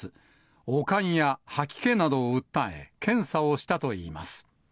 悪寒や吐き気などを訴え、検査をしたといいます。